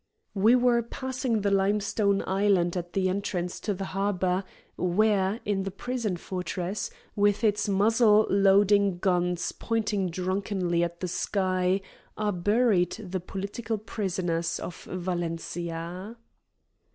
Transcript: We were passing the limestone island at the entrance to the harbor, where, in the prison fortress, with its muzzle loading guns pointing drunkenly at the sky, are buried the political prisoners of Valencia.